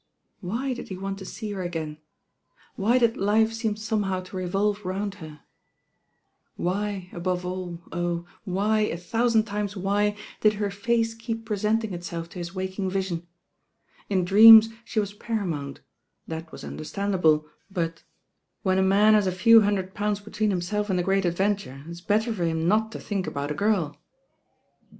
Why did he want to see her again? Why did life seem somehow to revolve round her? Why, above aU, oh I why, a thousand times why, did her face keep presenting itself to his waking vision? In dreams she was par amount, that was understandable, but —— "When a man has a few hundred pounds between himself and the Great Adventure, it's better for him not to think about a girl."